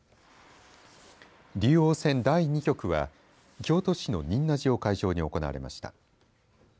竜王戦第２局は京都市の仁和寺を会場に行われました。